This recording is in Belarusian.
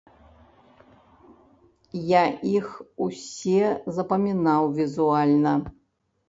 Я іх усе запамінаў візуальна.